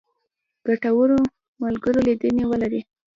ګټورو ملګرو لیدنې ولرئ.